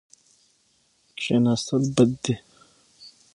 کښېناستل بد دي.